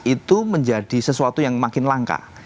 itu menjadi sesuatu yang makin langka